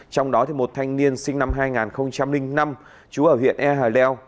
trong đó một thanh niên sinh năm hai nghìn năm chú ở huyện e hờ leo